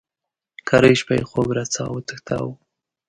کرۍ شپه یې خوب را څخه وتښتاوه.